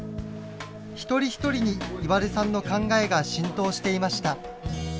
一人一人に岩出さんの考えが浸透していました。